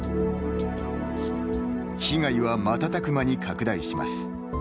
被害は瞬く間に拡大します。